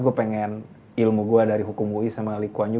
gue pengen ilmu gue dari hukum wuyi sama likuwanyu